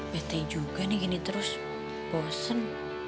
bete juga nih gini terus bosen